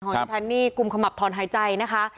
ที่ฉันนี่กุมขมับถอนหายใจนะคะ